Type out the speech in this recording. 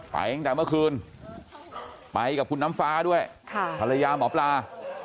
ไปจากเมื่อคืนไปกับคุณน้ำฟ้าด้วยค่ะภรรยาหมอพลา